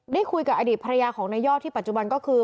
ได้คุยกับอดีตภรรยาของนายยอดที่ปัจจุบันก็คือ